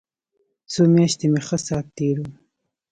څو مياشتې مې ښه ساعت تېر و.